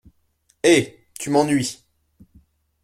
Eh ! tu m’ennuies !